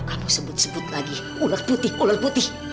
kamu sebut sebut lagi ular putih ular putih